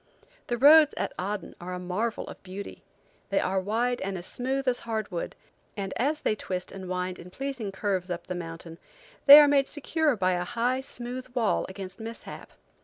The roads at Aden are a marvel of beauty. They are wide and as smooth as hardwood, and as they twist and wind in pleasing curves up the mountain, they are made secure by a high, smooth wall against mishap.